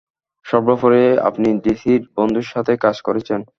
সর্বোপরি, আপনি ডিসির বন্ধু সাথে কাজ করেছেন।